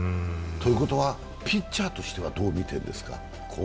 ということはピッチャーとしてはどう見ているんですか、今後。